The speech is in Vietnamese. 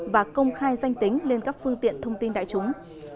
và công khai danh tính lên các phương tiện thông tin đại chúng